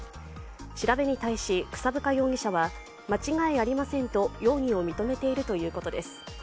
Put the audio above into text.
調べに対し草深容疑者は間違いありませんと容疑を認めているということです。